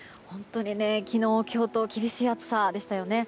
昨日、今日と厳しい暑さでしたよね。